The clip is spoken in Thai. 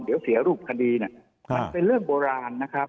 เดี๋ยวเสียรูปคดีน่ะมันเป็นเรื่องบราน